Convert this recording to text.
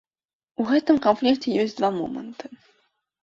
У гэтым канфлікце ёсць два моманты.